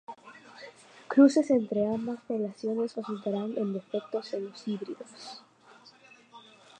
Cruces entre ambas poblaciones resultarán en defectos en los híbridos.